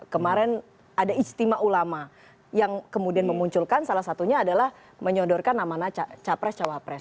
kemarin ada istimewa ulama yang kemudian memunculkan salah satunya adalah menyodorkan nama nama capres cawapres